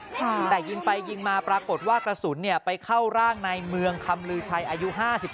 แต่ยิงไปยิงมาปรากฏว่ากระสุนไปเข้าร่างในเมืองคำลือชัยอายุ๕๓